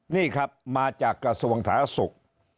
นี่ครับมาจากกระทรวงสาธารณสุข